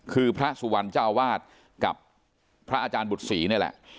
คือพระสุวรรณเจ้าวาดกับพระอาจารย์บุตรศรีนี่แหละ